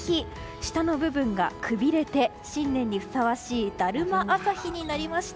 下の部分がくびれて新年にふさわしいだるま朝日になりました。